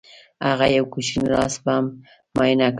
هغه یو کوچنی لاسي بم معاینه کړ